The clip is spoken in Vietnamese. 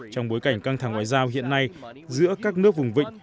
trong bối cảnh căng thẳng ngoại giao hiện nay giữa các nước vùng vịnh